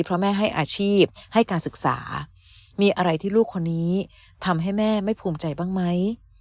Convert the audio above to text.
เพราะแม่ให้อาชีพให้การศึกษามีอะไรที่ลูกคนนี้ทำให้แม่ไม่ภูมิใจบ้างไหม